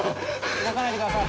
動かないでください。